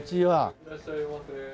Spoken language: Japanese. いらっしゃいませ。